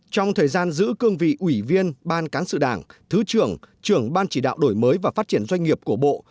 trong thời gian giữ cương vị ủy viên ban cán sự đảng thứ trưởng trưởng ban chỉ đạo đổi mới và phát triển doanh nghiệp của bộ